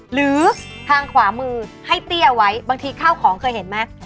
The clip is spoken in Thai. หรือทางขวามือให้เตี้ยไว้บางทีข้าวของเคยเห็นไหม